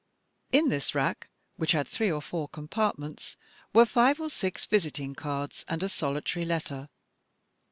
In this rack, which had three or four compart ments, were five or six visiting cards and a solitary letter.